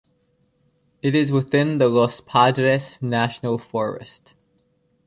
It is within the Los Padres National Forest.